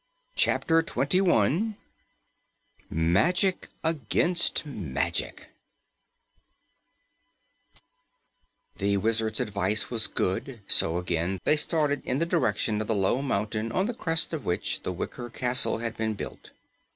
CHAPTER 21 MAGIC AGAINST MAGIC The Wizard's advice was good, so again they started in the direction of the low mountain on the crest of which the wicker castle had been built.